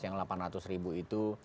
yang delapan ratus ribu itu